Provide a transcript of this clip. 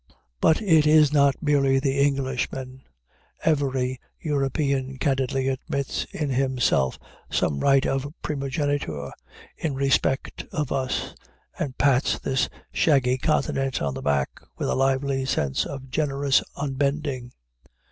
But it is not merely the Englishman; every European candidly admits in himself some right of primogeniture in respect of us, and pats this shaggy continent on the back with a lively sense of generous unbending.